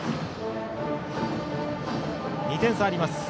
２点差あります。